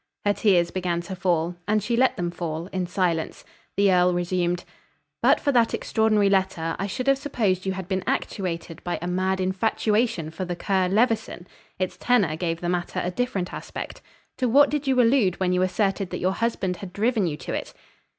Her tears began to fall. And she let them fall in silence. The earl resumed. "But for that extraordinary letter, I should have supposed you had been actuated by a mad infatuation for the cur, Levison; its tenor gave the matter a different aspect. To what did you allude when you asserted that your husband had driven you to it?"